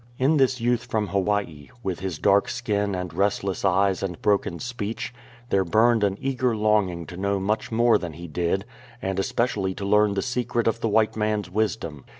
In this youth from Hawaii, with his dark skin and restless eyes and broken speech, there burned an eager longing to know much more than he did, and especially to learn the secret of the white man's wisdom.